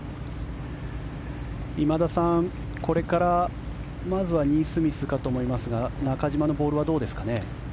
今田さん、これからまずはニースミスかと思いますが中島のボールはどうですかね。